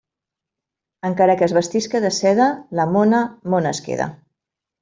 Encara que es vestisca de seda, la mona, mona es queda.